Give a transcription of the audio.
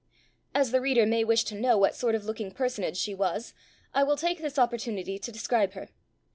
As the reader may wish to know what sort of looking personage she was, I will take this opportunity to describe her.